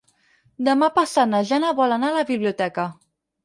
Demà passat na Jana vol anar a la biblioteca.